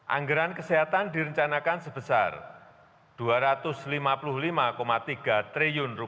anggaran kesehatan direncanakan sebesar rp dua ratus lima puluh lima tiga triliun